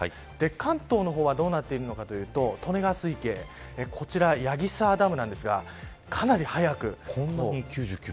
関東の方はどうなっているのかというと利根川水系こちら矢木沢ダムですがかなり早く。